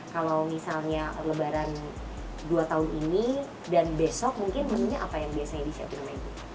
kalau misalnya lebaran dua tahun ini dan besok mungkin menunya apa yang biasanya disiapkan lagi